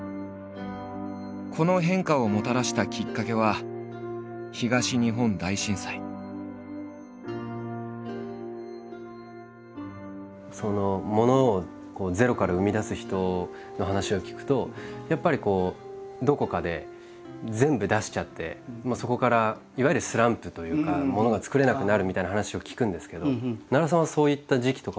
この変化をもたらしたきっかけはものをゼロから生み出す人の話を聞くとやっぱりこうどこかで全部出しちゃってそこからいわゆるスランプというかものが作れなくなるみたいな話を聞くんですけど奈良さんはそういった時期とかはなかったですか？